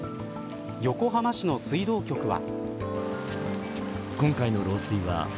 横浜市の水道局は。